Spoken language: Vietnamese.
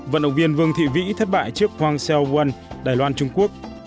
vận động viên vương thị vĩ thất bại trước huang xiao wen đài loan trung quốc